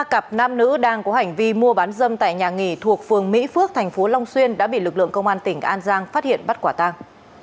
ba cặp nam nữ đang có hành vi mua bán dâm tại nhà nghỉ thuộc phường mỹ phước thành phố long xuyên đã bị lực lượng công an tỉnh an giang phát hiện bắt quả tang